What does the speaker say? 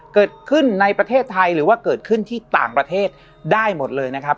เกิดขึ้นในประเทศไทยหรือว่าเกิดขึ้นที่ต่างประเทศได้หมดเลยนะครับ